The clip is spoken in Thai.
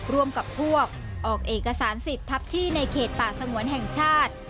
ร่วมกับพวกออกเอกสารสิทธิ์ทัพที่ในเขตป่าสงวนแห่งชาติ